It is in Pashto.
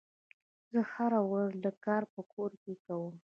زه هره ورځ لږ کار په کور کې کوم.